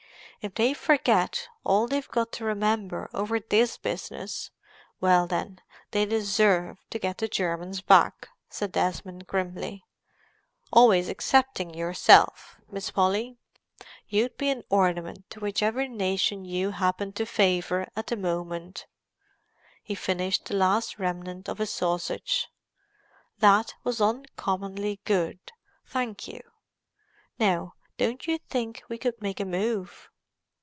"If they forget all they've got to remember over this business—well then, they deserve to get the Germans back," said Desmond, grimly. "Always excepting yourself, Miss Polly. You'd be an ornament to whichever nation you happened to favour at the moment." He finished the last remnant of his sausage. "That was uncommonly good, thank you. Now, don't you think we could make a move?"